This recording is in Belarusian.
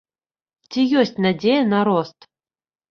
Ці ёсць надзея на рост?